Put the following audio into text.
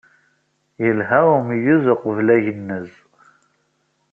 Yelha umeyyez uqbel agennez.